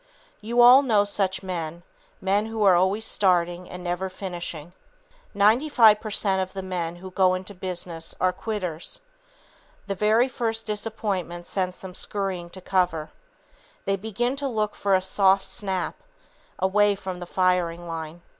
You all know such men men who are always starting and never finishing. [Sidenote: Looking for a "Soft Snap"] Ninety five per cent of the men who go into business are "quitters." The very first disappointment sends them scurrying to cover. They begin to look for a "soft snap" away from the firing line.